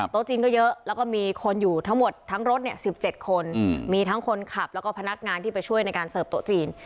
จีนก็เยอะแล้วก็มีคนอยู่ทั้งหมดทั้งรถ๑๗คนมีทั้งคนขับแล้วก็พนักงานที่ไปช่วยในการเสิร์ฟโต๊ะจีน